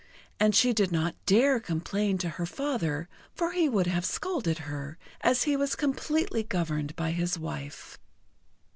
And she did not dare complain to her father, for he would have scolded her, as he was completely governed by his wife.